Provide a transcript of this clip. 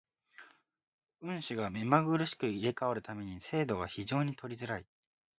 運手が目まぐるしく入れ替わる為に精度が非常に取りづらい。